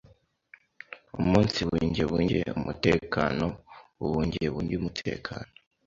Umunsibungebunge umutekeno ubungebunge umutekeno